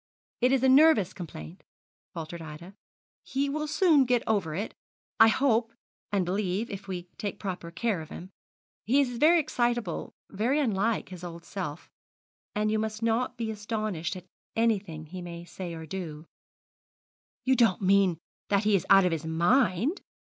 'It is a nervous complaint,' faltered Ida; 'he will soon get over it, I hope and believe, if we take proper care of him. He is very excitable, very unlike his old self; and you must not be astonished at anything he may say or do.' 'You don't mean that he is out of his mind?'